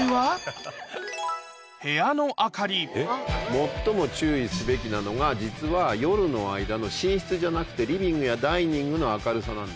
最も注意すべきなのが実は夜の間の寝室じゃなくてリビングやダイニングの明るさなんですよ。